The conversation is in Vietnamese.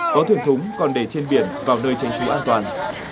có thuyền thúng còn để trên biển vào nơi tránh trú an toàn